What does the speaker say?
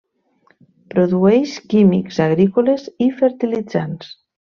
Produeix químics agrícoles i fertilitzants.